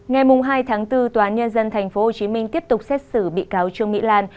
ngày hai tháng bốn tòa án nhân dân tp hcm tiếp tục xét xử bị cáo trương mỹ lan